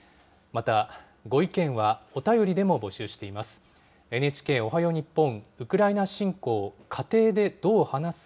また、ご意見はお便りでも募集しています。